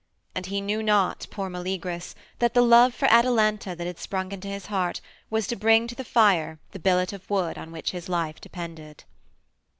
And he knew not, poor Meleagrus, that the love for Atalanta that had sprung into his heart was to bring to the fire the billet of wood on which his life depended.